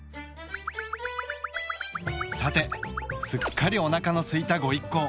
さてすっかりおなかのすいたご一行。